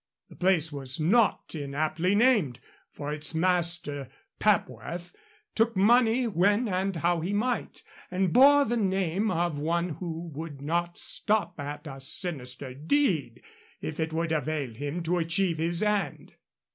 The place was not inaptly named, for its master, Papworth, took money when and how he might, and bore the name of one who would not stop at a sinister deed if it would avail him to achieve his end.